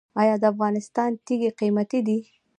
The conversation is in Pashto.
آیا د افغانستان تیږې قیمتي دي؟